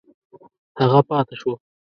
هغه پاته شو.